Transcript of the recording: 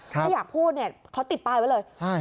ถ้าอยากพูดเนี่ยเขาติดป้ายไว้เลย